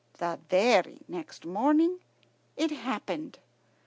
The very next morning it happened.